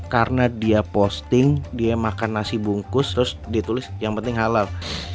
karena dia posting dia makan nasi bungkus terus dia tulis yang penting halal